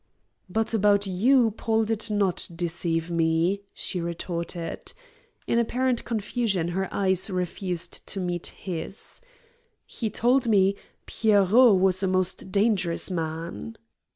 "But about you, Paul did not deceive me," she retorted. In apparent confusion her eyes refused to meet his. "He told me 'Pierrot' was a most dangerous man!"